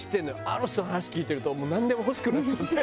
あの人の話聞いてるとなんでも欲しくなっちゃって。